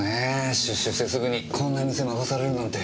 出所してすぐにこんな店任されるなんて。